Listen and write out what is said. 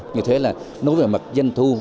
như thế là nói về mặt doanh thu